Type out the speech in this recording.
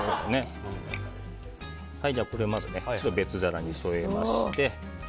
まず別皿に添えまして。